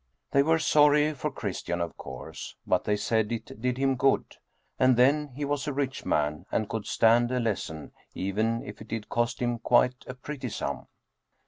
They were sorry for Chris tian, of course, but they said it did him good. And then he was a rich man, and could stand a lesson even if it did cost him quite a pretty sum.